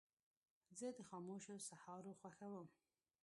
زه د خاموشو سهارو خوښوم.